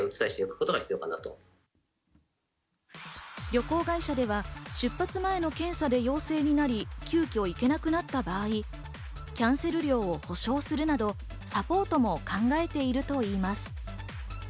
旅行会社では出発前の検査で陽性になり、急きょ行けなくなった場合、キャンセル料を補償するなどをサポートも考えているといいます。